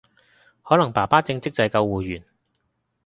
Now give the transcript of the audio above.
可能爸爸正職就係救護員